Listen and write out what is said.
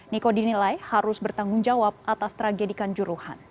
niko dinilai harus bertanggung jawab atas tragedikan juruhan